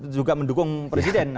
juga mendukung presiden